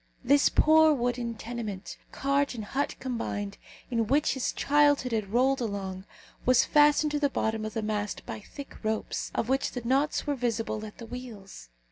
This poor wooden tenement, cart and hut combined, in which his childhood had rolled along, was fastened to the bottom of the mast by thick ropes, of which the knots were visible at the wheels.